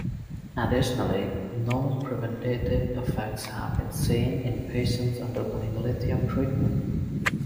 Additionally, no preventative effects have been seen in patients undergoing lithium treatment.